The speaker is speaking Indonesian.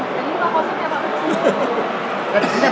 jadi pak positifnya pak